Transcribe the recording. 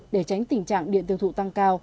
để tránh tình trạng điện tiêu thụ tăng cao